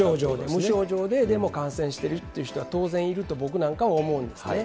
無症状で、でも感染してるっていう人は、当然いると僕なんかは思うんですね。